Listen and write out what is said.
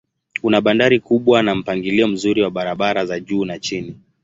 Una bandari kubwa na mpangilio mzuri wa barabara za juu na chini.